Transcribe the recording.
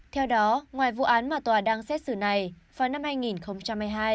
theo đó ngoài vụ án mà tòa đang xét xử này vào năm hai nghìn một mươi hai